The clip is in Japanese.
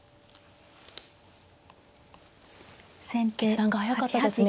決断が速かったですね。